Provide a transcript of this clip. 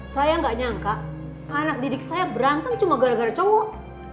saya nggak nyangka anak didik saya berantem cuma gara gara cowok